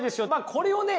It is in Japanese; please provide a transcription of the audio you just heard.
これをね